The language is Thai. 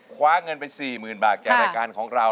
คว้าเงินไป๔๐๐๐บาทจากรายการของเรา